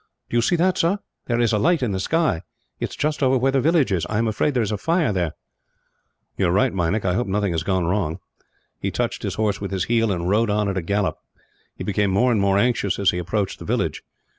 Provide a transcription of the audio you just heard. "Do you see that, sir? There is a light in the sky. It is just over where the village is. I am afraid there is a fire there." "You are right, Meinik. I hope nothing has gone wrong." He touched his horse with his heel, and rode on at a gallop. He became more and more anxious, as he approached the village.